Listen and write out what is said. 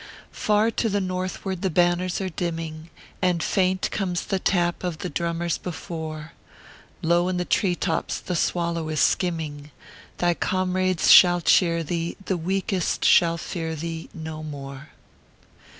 Far to the Northward tho banners are dimming, And faint comes tho tap of the drummers before ; Low in the tree tops the swallow is skimming ; Thy comrades shall cheer thee, the weakest shall fear thee No more.